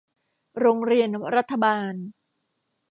โรงเรียนรัฐบาล